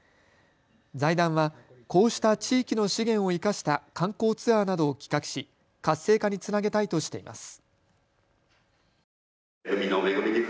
財団はこうした地域の資源を生かした観光ツアーなどを企画し活性化につなげたいとしています。